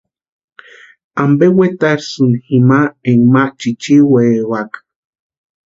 ¿Ampe wetarhisïni jima énka ma chichiwaewaka?